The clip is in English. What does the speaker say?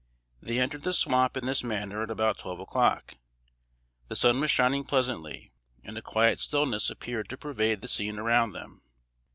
They entered the swamp in this manner at about twelve o'clock. The sun was shining pleasantly, and a quiet stillness appeared to pervade the scene around them.